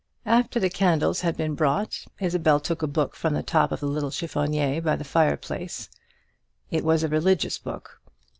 After the candles had been brought Isabel took a book from the top of the little chiffonier by the fireplace. It was a religious book.